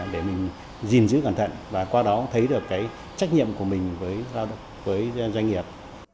để mình gìn giữ cẩn thận và qua đó thấy được cái trách nhiệm của mình với doanh nghiệp